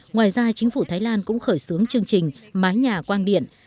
ngoài ra chính phủ thái lan cũng khởi xướng chương trình mái nhà quang điện